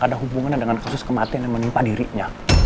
ada hubungannya dengan kasus kematian yang menimpa dirinya